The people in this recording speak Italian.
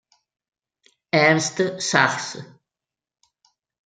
Ernst Sachs